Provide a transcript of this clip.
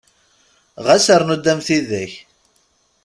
Ɣas rnu-d am tidak!